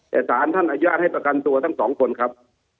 แต่สารท่านอนุญาตให้ประกันตัวทั้งสองคนครับ